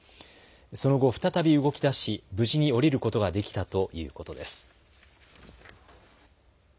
その後、再び動きだし無事に降りることができたということです。